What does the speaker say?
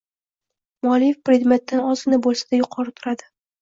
Muallif predmetdan ozgina bo’lsa-da yuqori turadi.